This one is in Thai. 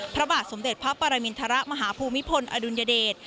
พระบาทสมเด็จพระปรมินทรมาฮภูมิพลอดุลยเดช